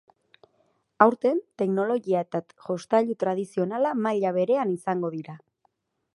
Aurten, teknologia eta jostailu tradizionala maila berean izango dira.